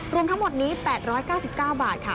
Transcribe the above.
รวมทั้งหมดนี้๘๙๙บาทค่ะ